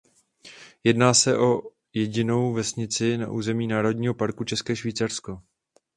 Jedná se o jedinou vesnici na území Národního parku České Švýcarsko.